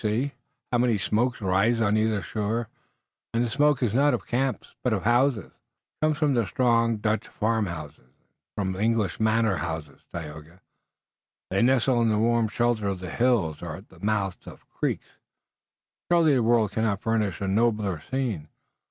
See, how many smokes rise on either shore, and the smoke is not of camps, but of houses." "It comes from strong Dutch farmhouses, and from English manor houses, Tayoga. They nestle in the warm shelter of the hills or at the mouths of the creeks. Surely, the world cannot furnish a nobler scene."